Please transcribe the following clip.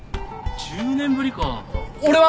１０年ぶりか俺は？